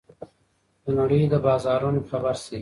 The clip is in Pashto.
د نړۍ له بازارونو خبر شئ.